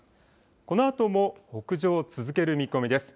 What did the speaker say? このあとも北上を続ける見込みです。